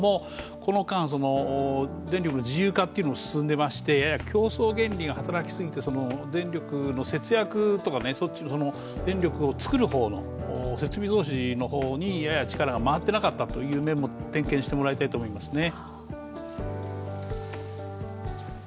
この間、電力の自由化が進んでいまして競争原理が働きすぎて電力の節約とか、電力を作る方の設備投資の方にやや力が回っていなかったという面も点検してもらいたいと思います。